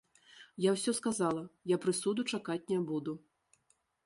Я ўсё сказала, я прысуду чакаць не буду.